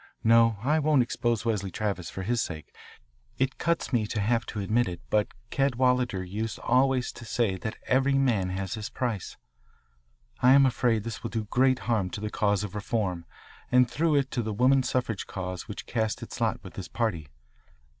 No, I won't expose Wesley Travis for his sake. It cuts me to have to admit it, but Cadwalader used always to say that every man has his price. I am afraid this will do great harm to the cause of reform and through it to the woman suffrage cause which cast its lot with this party.